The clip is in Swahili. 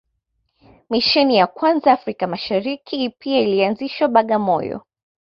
Misheni ya kwanza Afrika Mashariki pia ilianzishwa Bagamoyo